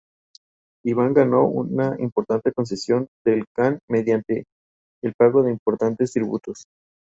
Establecer la filogenia de grupos extintos es difícil y especulativa.